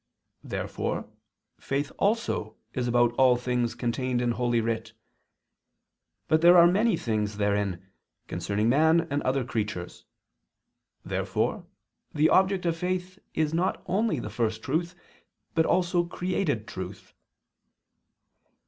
Therefore faith also is about all things contained in Holy Writ. But there are many things therein, concerning man and other creatures. Therefore the object of faith is not only the First Truth, but also created truth.